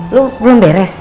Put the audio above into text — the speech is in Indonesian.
lo belum beres